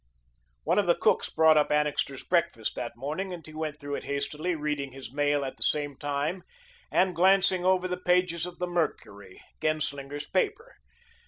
One of the cooks brought up Annixter's breakfast that morning, and he went through it hastily, reading his mail at the same time and glancing over the pages of the "Mercury," Genslinger's paper.